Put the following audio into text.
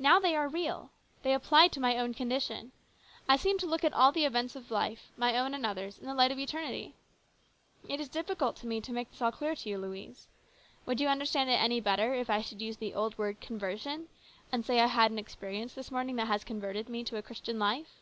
Now they are real. They apply to my own condition. I seem to look at all the events of life, my own and others, in the l : ght of eternity. It is difficult to me to make all this clear to you, Louise. Would you understand it any better if I should use the old word 'conversion,' and say I had an experience this morning that has converted me to a Christian life?"